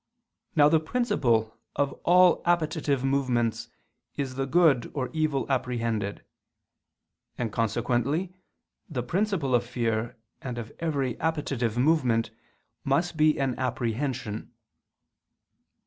Now the principle of all appetitive movements is the good or evil apprehended: and consequently the principle of fear and of every appetitive movement must be an apprehension.